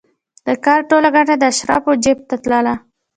د کار ټوله ګټه د اشرافو جېب ته تلله